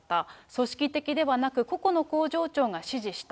組織的ではなく、個々の工場長が指示した。